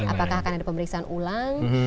apakah akan ada pemeriksaan ulang